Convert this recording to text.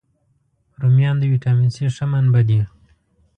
رومیان د ویټامین C ښه منبع دي